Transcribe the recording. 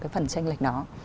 phần tranh lệch đó